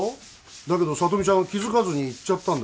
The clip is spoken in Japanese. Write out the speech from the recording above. だけど聡美ちゃん気づかずに行っちゃったんだよ